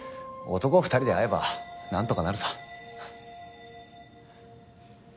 男２人で会えばなんとかなるさ。